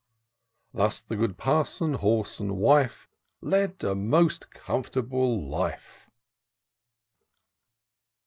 Thus the good Parson, Horse, and Wife, Led a most comfortable life.